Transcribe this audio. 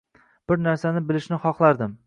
Bir narsani bilishni xohlardim